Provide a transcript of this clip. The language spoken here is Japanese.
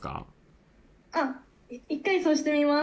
「あっ一回そうしてみます」